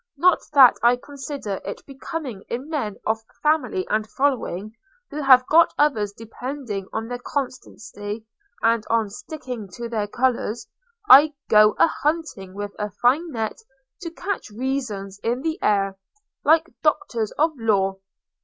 Not that I consider it becoming in men of family and following, who have got others depending on their constancy and on their sticking to their colours, to go a hunting with a fine net to catch reasons in the air, like doctors of law.